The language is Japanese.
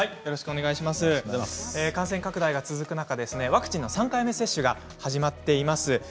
感染拡大が続く中ワクチンの３回目接種が始まっています。